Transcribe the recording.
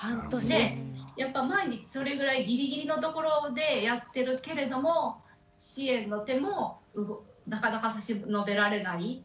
でやっぱ毎日それぐらいギリギリのところでやってるけれども支援の手もなかなか差し伸べられない。